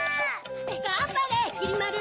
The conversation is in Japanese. がんばれきりまる！